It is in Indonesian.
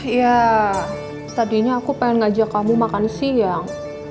ya tadinya aku pengen ngajak kamu makan siang